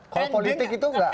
kalau politik itu enggak